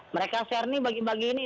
mereka share ini bagi bagi ini